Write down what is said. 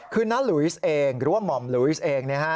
คือน้าลุยสเองหรือว่าหม่อมลุยสเอง